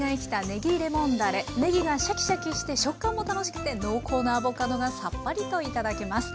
ねぎがシャキシャキして食感も楽しくて濃厚なアボカドがさっぱりと頂けます。